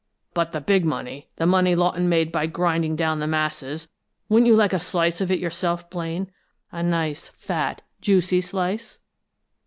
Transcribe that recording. But the big money the money Lawton made by grinding down the masses wouldn't you like a slice of it yourself, Blaine? A nice, fat, juicy slice?"